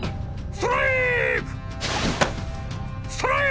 ストライーク！